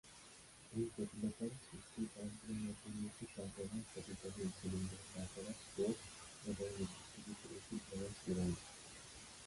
এই জটিলতার সৃষ্টির কারণগুলোর মধ্যে রয়েছে সংক্রমণ, সঠিকভাবে ইনসুলিন গ্রহণ না করা, স্ট্রোক, এবং নির্দিষ্ট কিছু ওষুধ, যেমন স্টেরয়েড।